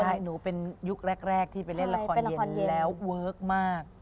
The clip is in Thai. ใช่หนูเป็นยุคแรกที่ไปเล่นละครเย็นแล้วเวิร์คมาก